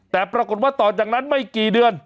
แต่ปรากฏว่าต่อจากนั้นไม่กี่เดือน